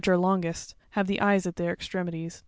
are longest, have the eyes at their extremities.